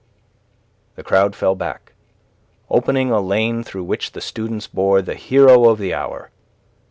The crowd fell back, opening a lane through which the students bore the hero of the hour.